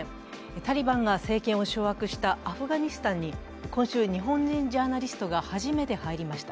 タリバンが政権を掌握したアフガニスタンに今週、日本人ジャーナリストが初めて入りました。